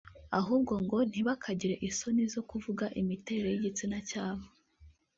ahubwo ngo ntibakigira isoni zo kuvuga imiterere y’igitsina cyabo